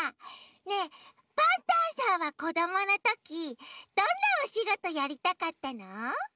ねえパンタンさんはこどものときどんなおしごとやりたかったの？